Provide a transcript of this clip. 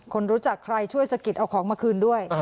คนรู้จักใครช่วยสะกิดเอาของมาคืนด้วย